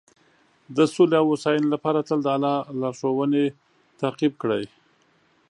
د سولې او هوساینې لپاره تل د الله لارښوونې تعقیب کړئ.